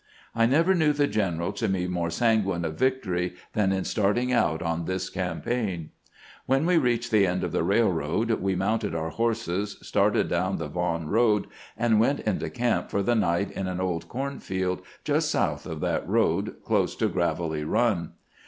I never knew the general to be more sanguine of victory than in starting out on this campaign. When we reached the end of the railroad, we mounted our horses, started down the Vaughan road, and went into camp for the night in an old corn field just south of that road, close to Gravelly Run.